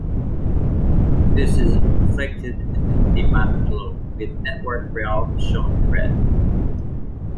This is reflected in the map below, with Network Rail shown in red.